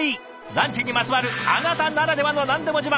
ランチにまつわるあなたならではの何でも自慢！